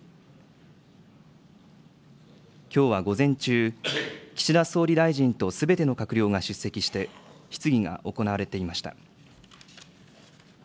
きょうは午前中、岸田総理大臣とすべての閣僚が出席して質疑が行われていました。